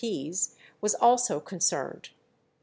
P.'s, was also concerned.